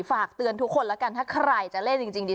ฝากเตือนทุกคนแล้วกันถ้าใครจะเล่นจริงดี